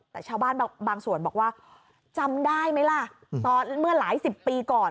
แต่ชาวบ้านบางส่วนบอกว่าจำได้ไหมล่ะตอนเมื่อหลายสิบปีก่อน